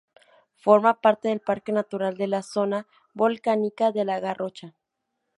Forma parte del Parque Natural de la Zona Volcánica de la Garrocha.